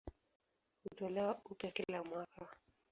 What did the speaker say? Hutolewa upya kila mwaka.